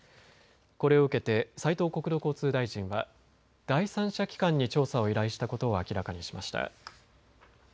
これを受けて斉藤国土交通大臣は第三者機関に調査を依頼したことを明らかにしました。